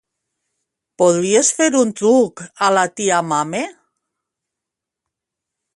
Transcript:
Podries fer un truc a la tia Mame?